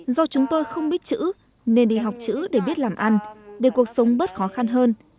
do chúng tôi không biết chữ nên đi học chữ để biết làm ăn để cuộc sống bớt khó khăn hơn